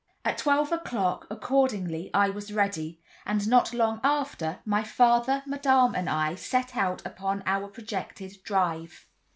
At twelve o'clock, accordingly, I was ready, and not long after, my father, Madame and I set out upon our projected drive.